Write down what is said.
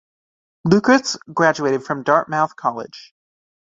Lucas graduated from Dartmouth College.